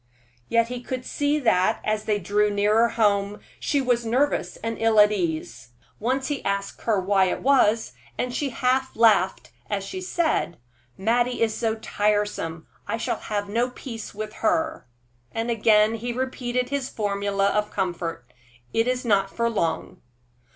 Yet he could see that, as they drew nearer home, she was nervous and ill at ease. Once he asked her why it was, and she half laughed as she said: "Mattie is so tiresome; I shall have no peace with her." And again he repeated his formula of comfort, "It is not for long."